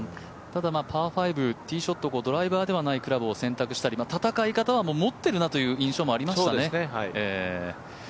ただパー５ティーショットドライバーではないクラブを選択したり戦い方は持ってるなという印象はありましたね。